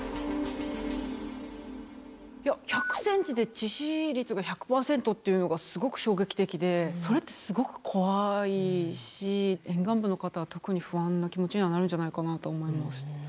いや１００ｃｍで致死率が１００％っていうのがすごく衝撃的でそれってすごく怖いし沿岸部の方は特に不安な気持ちにはなるんじゃないかなと思います。